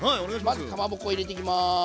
まずかまぼこ入れていきます。